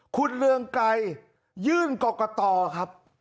คุณเรืองไกรยื่นกรกตครับ